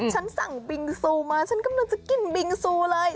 ฉันสั่งบิงซูมาฉันกำลังจะกินบิงซูเลย